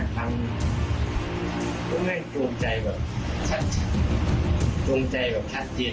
มันยึดมาหน้าทางมันแม่งจวงใจแบบจวงใจแบบแค่เจนมากเลยค่ะ